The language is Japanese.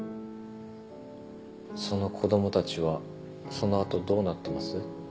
その子供たちはその後どうなってます？